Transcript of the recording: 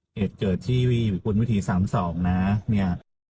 เหตุเกิดที่วิกุลวิถี๓๒นะเนี่ย